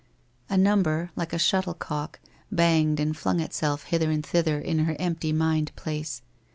A number, like a shuttlecock, banged and flung itself hither and thither in her empty mind place.